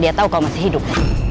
dia tahu kau masih hidup